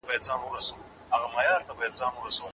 اسلام د هر چا خیال ساتي.